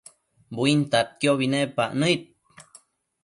buintadquiobi nepac nëid